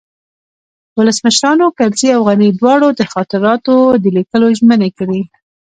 ولسمشرانو کرزي او غني دواړو د خاطراتو د لیکلو ژمني کړې